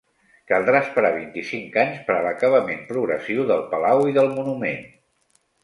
Caldrà esperar vint-i-cinc anys per a l'acabament progressiu del palau i del monument.